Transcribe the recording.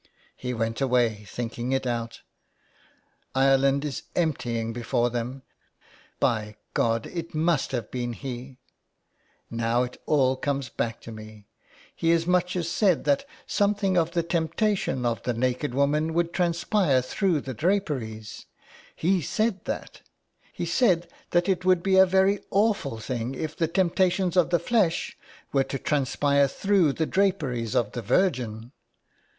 He went away thinking it out. Ireland is emptying before them. By God, it must have been he. Now it all 19 IN THE CLAY. comes back to me. He has as much as said that something of the temptation of thenaked woman would transpire through the draperies. He said that. He said that it would be a very awful thing if the temptations of the flesh were to transpire through the draperies of the Virgin.